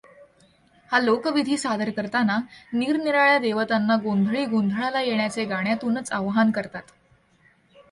हा लोकविधी सादर करताना निरनिराळ्या देवतांना गोंधळी गोंधळाला येण्याचे गाण्यातूनच आवाहन करतात.